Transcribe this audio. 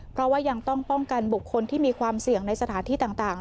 เพราะว่ายังต้องป้องกันบุคคลที่มีความเสี่ยงในสถานที่ต่าง